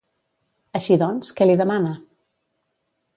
Així doncs, què li demana?